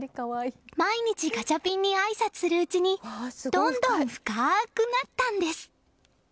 毎日ガチャピンにあいさつするうちにどんどん深くなったんです。